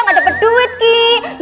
gak dapat duit kiki